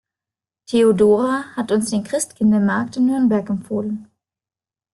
Theodora hat uns den Christkindlesmarkt in Nürnberg empfohlen.